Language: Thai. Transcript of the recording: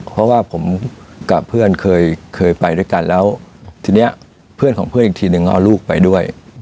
เพราะว่าผมกับเพื่อนเคยไปด้วยกันแล้วทีนี้เพื่อนของเพื่อนอีกทีนึงเอาลูกไปด้วย